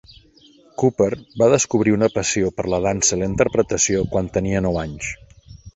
Cooper va descobrir una passió per la dansa i la interpretació quan tenia nou anys.